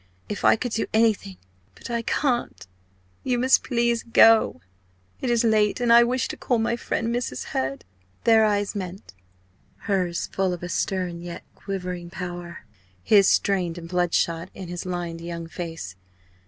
If I could do anything! But I can't. You must please go. It is late. I wish to call my friend, Mrs. Hurd." Their eyes met hers full of a certain stern yet quivering power, his strained and bloodshot, in his lined young face.